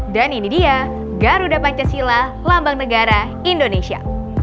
dan ini dia garuda pancasila lambang negara indonesia